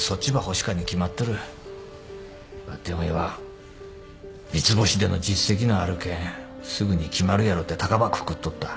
ばってんおいは三ツ星での実績のあるけんすぐに決まるやろうって高ばくくっとった。